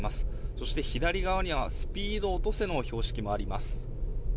そして左側にはスピード落とせの標識もあります。